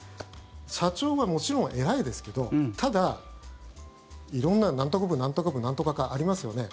社長がもちろん偉いですけどただ、色んななんとか部、なんとか部なんとか課ありますよね。